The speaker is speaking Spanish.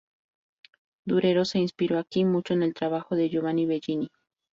Durero se inspiró aquí mucho en el trabajo de Giovanni Bellini.